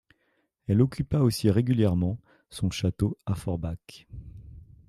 Elle occupa aussi régulièrement son château à Forbach.